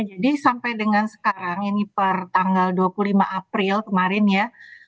jadi sampai dengan sekarang ini per tanggal dua puluh lima april kemarin ya